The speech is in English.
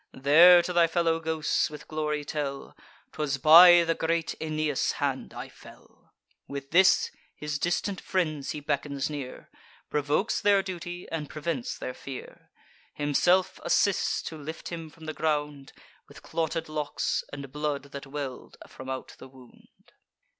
There to thy fellow ghosts with glory tell: ''Twas by the great Aeneas hand I fell.'" With this, his distant friends he beckons near, Provokes their duty, and prevents their fear: Himself assists to lift him from the ground, With clotted locks, and blood that well'd from out the wound.